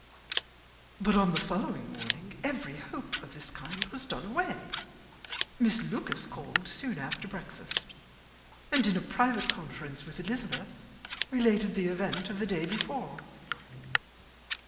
But on the following morning every hope of this kind was done away. Miss Lucas called soon after breakfast, and in a private conference with Elizabeth related the event of the day before.